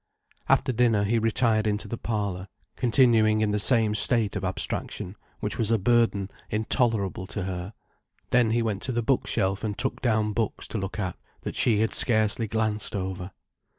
After dinner, he retired into the parlour, continuing in the same state of abstraction, which was a burden intolerable to her. Then he went to the book shelf and took down books to look at, that she had scarcely glanced over.